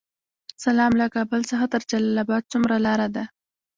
سلام، له کابل څخه تر جلال اباد څومره لاره ده؟